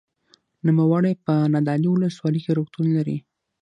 نوموړی په نادعلي ولسوالۍ کې روغتون لري.